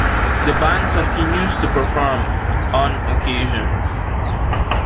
The band continues to perform, on occasion.